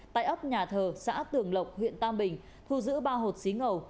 tại ấp nhà thờ xã tường lộc huyện tam bình thu giữ ba hột xí ngầu